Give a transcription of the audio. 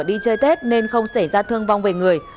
đi chơi tết nên không xảy ra thương vong về người